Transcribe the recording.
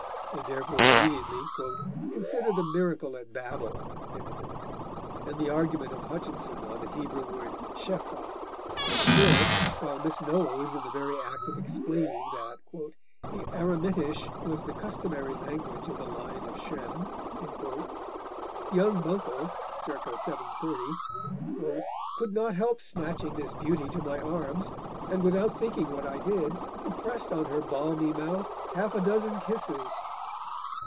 They therefore immediately "consider the miracle at Babel," and the argument of Hutchinson on the Hebrew word Shephah, until, while Miss Noel is in the very act of explaining that "the Aramitish was the customary language of the line of Shem," young Buncle (circa 7.30) "could not help snatching this beauty to my arms, and without thinking what I did, impressed on her balmy mouth half a dozen kisses.